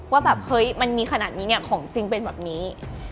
ว่ามันมีขนาดนี้ของจริงเป็นแบบนี้